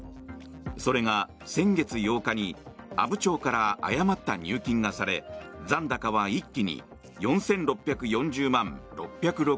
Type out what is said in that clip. それが先月８日に阿武町から誤った入金がされ残高は一気に４６４０万６６５円に。